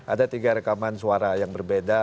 ada tiga rekaman suara yang berbeda